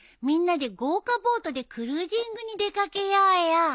みんなで豪華ボートでクルージングに出掛けようよ。